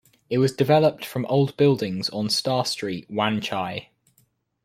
It was developed from old buildings on Star Street, Wan Chai.